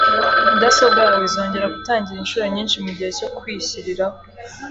Mudasobwa yawe izongera gutangira inshuro nyinshi mugihe cyo kwishyiriraho.